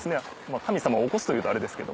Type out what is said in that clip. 神様を起こすと言うとあれですけど。